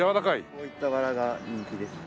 こういったバラが人気ですね。